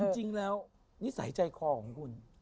จริงแล้วนิสัยใจคอของคุณ